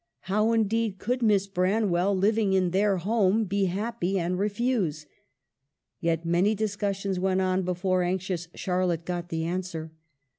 How, in deed, could Miss Branwell, living in their home, be happy, and refuse ? Yet many discussions went on before anxious Charlotte got the answer.